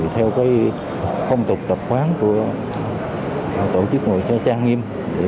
theo công tục tập khoán của tổ chức ngoại tra trang nghiêm